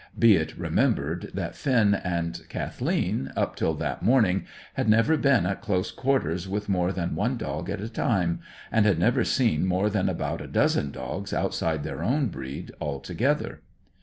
Be it remembered that Finn and Kathleen, up till that morning, had never been at close quarters with more than one dog at a time, and had never seen more than about a dozen dogs outside their own breed altogether.